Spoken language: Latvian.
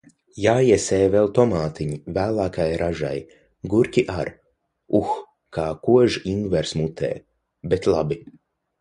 Jāiesēj vēl tomātiņi vēlākai ražai, gurķi ar. Uh, kā kož ingvers mutē, bet labi...